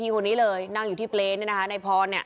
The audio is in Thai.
โตอยู่ตรี